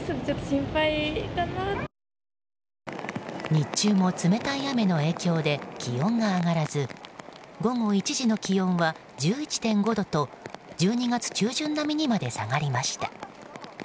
日中も冷たい雨の影響で気温が上がらず午後１時の気温は１１．５度と１２月中旬並みにまで下がりました。